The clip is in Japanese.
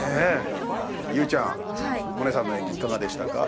有以ちゃん百音さんの演技いかがでしたか？